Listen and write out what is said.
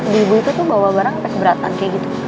di ibu itu tuh bawa barang pas beratan kayak gitu